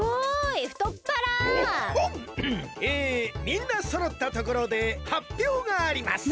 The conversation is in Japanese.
みんなそろったところではっぴょうがあります。